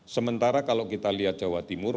sementara kalau kita lihat jawa timur